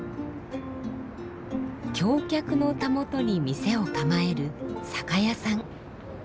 橋脚のたもとに店を構える酒屋さん。